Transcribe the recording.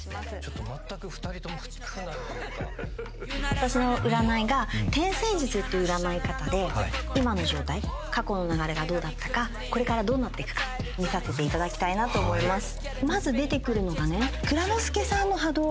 私の占いが天星術っていう占い方で今の状態過去の流れがどうだったかこれからどうなっていくか見させていただきたいなと思います。